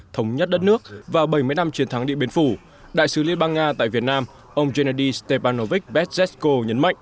thống nhất đất nước và bảy mươi năm chiến thắng điện biên phủ đại sứ liên bang nga tại việt nam ông gennady stepanovich bezhesko nhấn mạnh